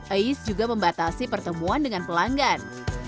ais juga membatasi pertemuan dengan pelanggan